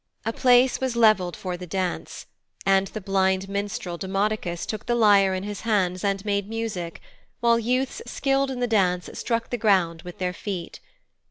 A place was levelled for the dance, and the blind minstrel, Demodocus, took the lyre in his hands and made music, while youths skilled in the dance struck the ground with their feet.